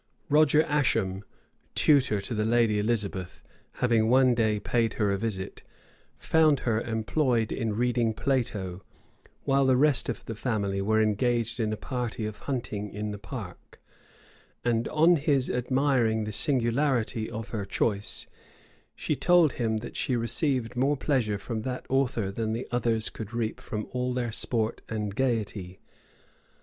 Roger Ascham, tutor to the lady Elizabeth, having one day paid her a visit, found her employed in reading Plato, while the rest of the family were engaged in a party of hunting in the park; and on his admiring the singularity of her choice, she told him, that she received more pleasure from that author than the others could reap from all their sport and gayety.